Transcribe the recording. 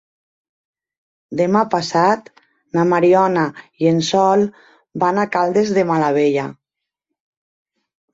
Demà passat na Mariona i en Sol van a Caldes de Malavella.